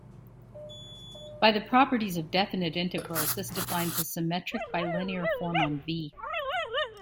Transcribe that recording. By the properties of definite integrals, this defines a symmetric bilinear form on "V".